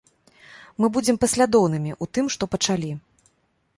Мы будзем паслядоўнымі ў тым, што пачалі.